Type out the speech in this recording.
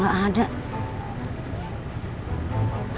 aduh ada apaan nih dia nih